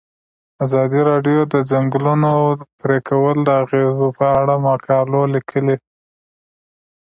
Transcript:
ازادي راډیو د د ځنګلونو پرېکول د اغیزو په اړه مقالو لیکلي.